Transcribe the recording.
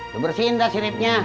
lu bersihin dah siripnya